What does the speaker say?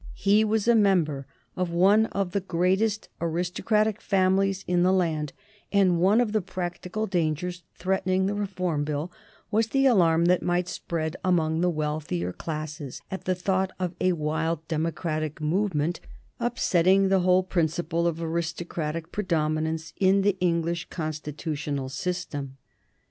He was a member of one of the greatest aristocratic families in the land, and one of the practical dangers threatening the Reform Bill was the alarm that might spread among the wealthier classes at the thought of a wild democratic movement upsetting the whole principle of aristocratic predominance in the English constitutional system.